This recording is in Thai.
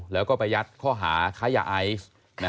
แล้วก็ไปยัดข้อหาค้ายาไอซ์